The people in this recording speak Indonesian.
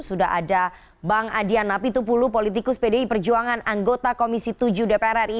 sudah ada bang adian napitupulu politikus pdi perjuangan anggota komisi tujuh dpr ri